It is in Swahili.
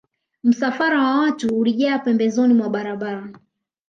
Msafara wa watu ulijaa pembezoni mwa barabara